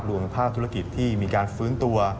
รวมภาคธุรกิจที่มีการฟื้นตัว